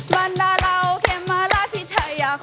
มาเลยลูกมาเลยลูกแคมมาราชพิทยาคม